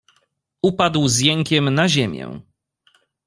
"Upadł z jękiem na ziemię."